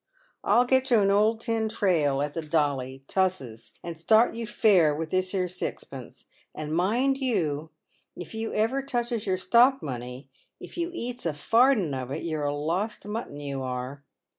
I'll get you an old tin tray at the ' Dolly,' Tuses, and start you fair with this here sixpence ; and mind you, if ever you touches your stock money, if you eats a farden of it, you're a lost mutton you are.